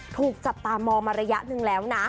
ถูกจับตามองมาระยะหนึ่งแล้วนะ